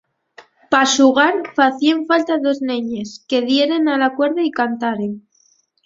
Pa xugar facíen falta dos neñes que dieren a la cuerda y cantaren.